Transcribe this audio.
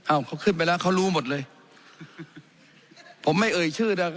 เขาขึ้นไปแล้วเขารู้หมดเลยผมไม่เอ่ยชื่อดัง